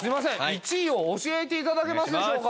１位を教えていただけますでしょうか？